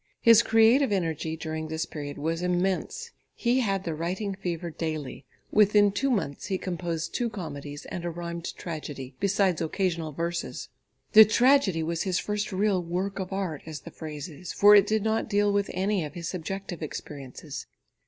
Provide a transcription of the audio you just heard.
His creative energy during this period was immense. He had the writing fever daily; within two months he composed two comedies and a rhymed tragedy, besides occasional verses. The tragedy was his first real "work of art," as the phrase is, for it did not deal with any of his subjective experiences.